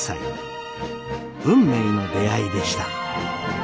運命の出会いでした。